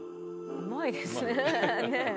うまいですね。